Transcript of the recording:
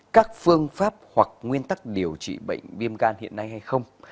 các phương pháp hoặc nguyên tắc điều trị bệnh viêm gan hiện nay hay không